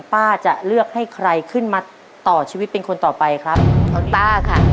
ป้าจะเลือกให้ใครขึ้นมาต่อชีวิตเป็นคนต่อไปครับน้องต้าค่ะ